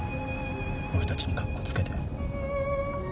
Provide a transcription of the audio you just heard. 俺たちにカッコつけて。